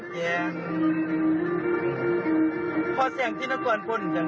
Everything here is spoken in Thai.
สีเงินใหญ่ได้นำมาจะทันสารจนมุมเตียงแดง